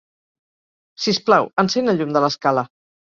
Sisplau, encén el llum de l'escala.